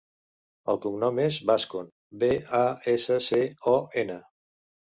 El cognom és Bascon: be, a, essa, ce, o, ena.